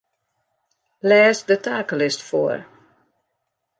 Lês de takelist foar.